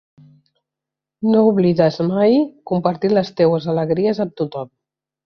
No oblides mai compartir les teues alegries amb tothom.